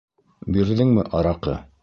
Бирҙеңме араҡы?!